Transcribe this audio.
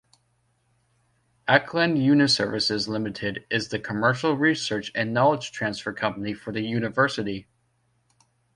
Auckland UniServices Limited is the commercial research and knowledge transfer company for the university.